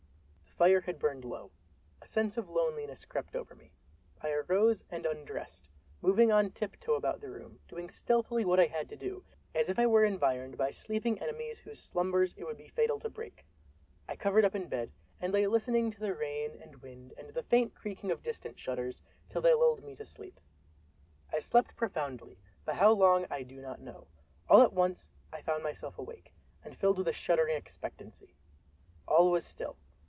The fire had burned low. A sense of loneliness crept over me. I arose and undressed, moving on tiptoe about the room, doing stealthily what I had to do, as if I were environed by sleeping enemies whose slumbers it would be fatal to break. I covered up in bed, and lay listening to the rain and wind and the faint creaking of distant shutters, till they lulled me to sleep. I slept profoundly, but how long I do not know. All at once I found myself awake, and filled with a shuddering expectancy. All was still.